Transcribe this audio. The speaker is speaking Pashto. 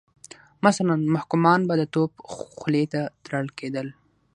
مثلا محکومان به د توپ خولې ته تړل کېدل.